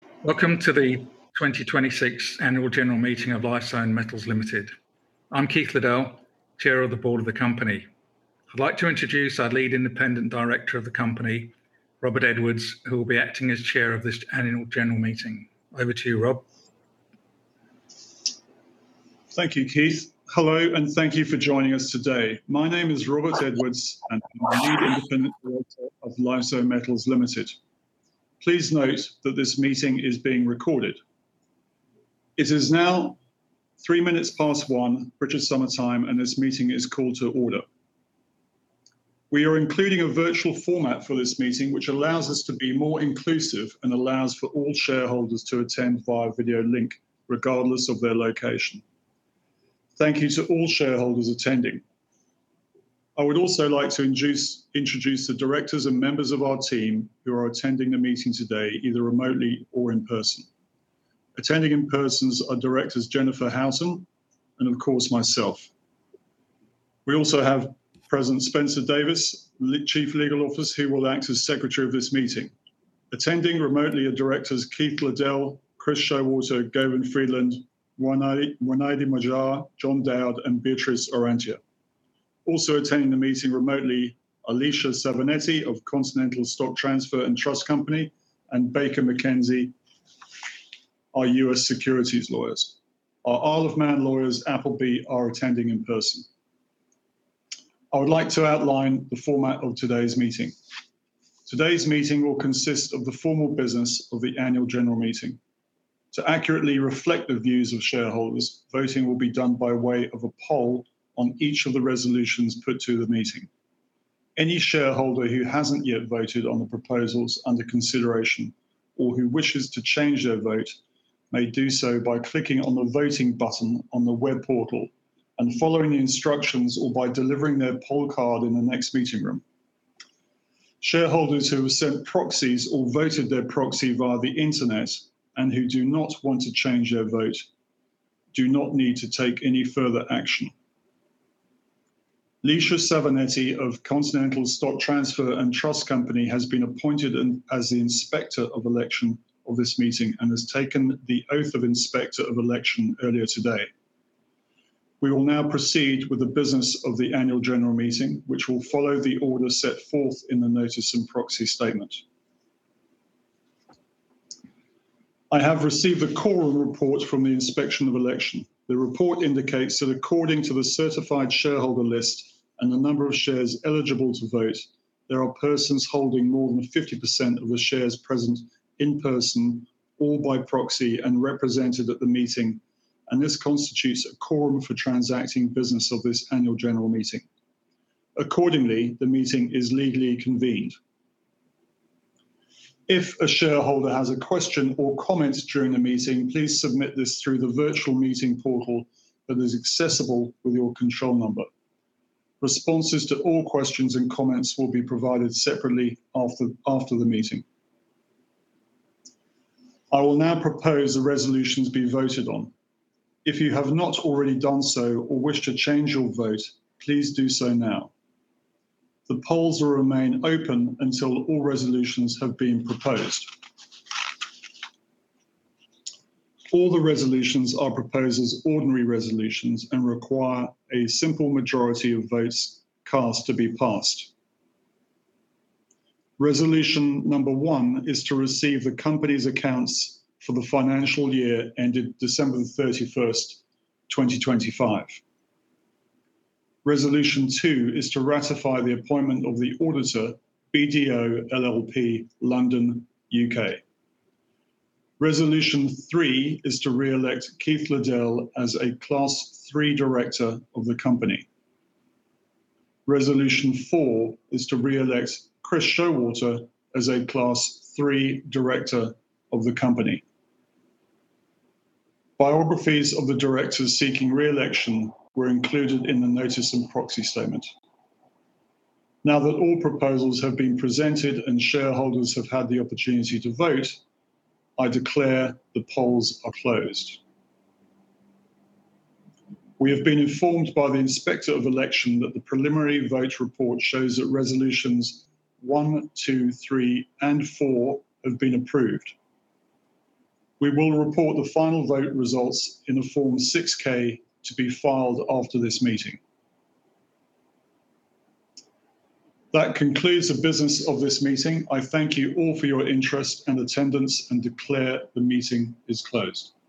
Welcome to the 2026 Annual General Meeting of Lifezone Metals Limited. I'm Keith Liddell, Chair of the board of the company. I'd like to introduce our Lead Independent Director of the company, Robert Edwards, who will be acting as Chair of this Annual General Meeting. Over to you, Rob. Thank you, Keith. Hello, and thank you for joining us today. My name is Robert Edwards, and I'm the Lead Independent Director of Lifezone Metals Limited. Please note that this meeting is being recorded. It is now 1:03 P.M., British Summer Time, and this meeting is called to order. We are including a virtual format for this meeting, which allows us to be more inclusive and allows for all shareholders to attend via video link, regardless of their location. Thank you to all shareholders attending. I would also like to introduce the directors and members of our team who are attending the meeting today, either remotely or in person. Attending in person are directors Jennifer Houghton and, of course, myself. We also have present Spencer Davis, Chief Legal Officer, who will act as secretary of this meeting. Attending remotely are directors Keith Liddell, Chris Showalter, Govind Friedland, Mwanaidi Maajar, John Dowd, and Beatriz Orrantia. Also attending the meeting remotely, Leicia Savinetti of Continental Stock Transfer & Trust Company, and Baker McKenzie, our U.S. securities lawyers. Our Isle of Man lawyers, Appleby, are attending in person. I would like to outline the format of today's meeting. Today's meeting will consist of the formal business of the Annual General Meeting. To accurately reflect the views of shareholders, voting will be done by way of a poll on each of the resolutions put to the meeting. Any shareholder who hasn't yet voted on the proposals under consideration, or who wishes to change their vote, may do so by clicking on the voting button on the web portal and following the instructions or by delivering their poll card in the next meeting room. Shareholders who have sent proxies or voted their proxy via the Internet and who do not want to change their vote do not need to take any further action. Leicia Savinetti of Continental Stock Transfer & Trust Company has been appointed as the Inspector of Election of this meeting and has taken the Oath of Inspector of Election earlier today. We will now proceed with the business of the Annual General Meeting, which will follow the order set forth in the notice and proxy statement. I have received a quorum report from the Inspector of Election. The report indicates that according to the certified shareholder list and the number of shares eligible to vote, there are persons holding more than 50% of the shares present in person or by proxy and represented at the meeting, and this constitutes a quorum for transacting business of this Annual General Meeting. Accordingly, the meeting is legally convened. If a shareholder has a question or comment during the meeting, please submit this through the virtual meeting portal that is accessible with your control number. Responses to all questions and comments will be provided separately after the meeting. I will now propose the resolutions be voted on. If you have not already done so or wish to change your vote, please do so now. The polls will remain open until all resolutions have been proposed. All the resolutions are proposed as ordinary resolutions and require a simple majority of votes cast to be passed. Resolution number 1 is to receive the company's accounts for the financial year ended December 31st, 2025. Resolution 2 is to ratify the appointment of the auditor, BDO LLP, London, U.K. Resolution 3 is to re-elect Keith Liddell as a Class 3 Director of the company. Resolution 4 is to re-elect Chris Showalter as a Class 3 Director of the company. Biographies of the directors seeking re-election were included in the notice and proxy statement. Now that all proposals have been presented and shareholders have had the opportunity to vote, I declare the polls are closed. We have been informed by the Inspector of Election that the preliminary vote report shows that resolutions 1, 2, 3, and 4 have been approved. We will report the final vote results in a Form 6-K to be filed after this meeting. That concludes the business of this meeting. I thank you all for your interest and attendance and declare the meeting is closed.